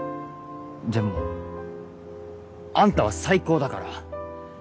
でもあんたは最高だから